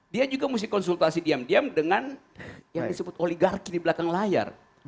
dia juga mesti konsultasi diam diam dengan yang disebut oligarki di belakang layar